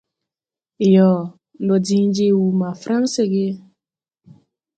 Yoo, ndo diŋ je wuu ma Fransi ge !